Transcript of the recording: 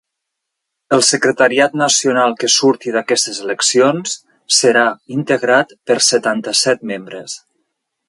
El secretariat nacional que surti d’aquestes eleccions serà integrat per setanta-set membres.